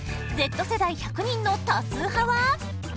Ｚ世代１００人の多数派は？